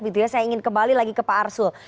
jadi saya ingin kembali lagi ke pak arsul